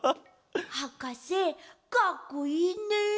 はかせかっこいいね。